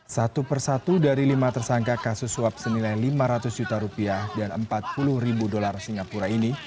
satu persatu dari lima tersangka kasus suap senilai lima ratus juta rupiah dan empat puluh ribu dolar singapura ini